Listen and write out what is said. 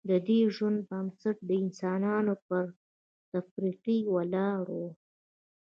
ددې ژوند بنسټ د انسانانو پر تفرقې ولاړ و